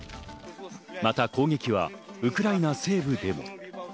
また、攻撃はウクライナ西部でも。